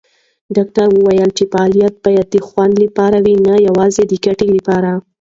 ډاکټره وویل چې فعالیت باید د خوند لپاره وي، نه یوازې د ګټې لپاره.